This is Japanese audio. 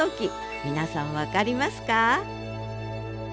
皆さん分かりますか？